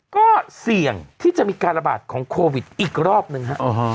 ก็เสี่ยงที่จะมีการระบาดของโควิดอีกรอบหนึ่งฮะ